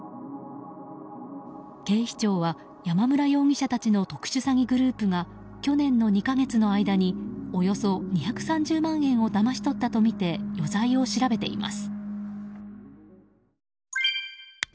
警視庁は、山村容疑者たちの特殊詐欺グループが去年の２か月の間におよそ２３０万円をだましとったとみて余罪を調べています。